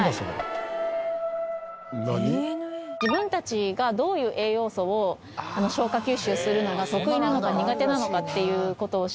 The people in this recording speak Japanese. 自分たちがどういう栄養素を消化吸収するのが得意なのか苦手なのかっていう事を調べて。